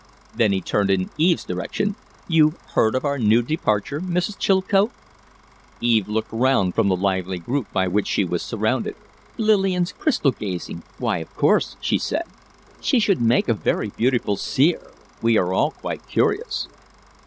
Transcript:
Then he turned in Eve's direction. "You've heard of our new departure, Mrs. Chilcote?" Eve looked round from the lively group by which she was surrounded. "Lillian's crystal gazing? Why, of course!" she said. "She should make a very beautiful seer. We are all quite curious."